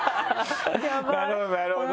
なるほどなるほど。